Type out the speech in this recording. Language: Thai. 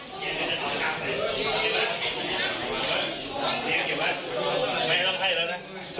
สัมภาษณ์ครับ